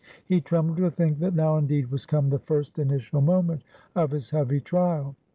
He trembled to think, that now indeed was come the first initial moment of his heavy trial.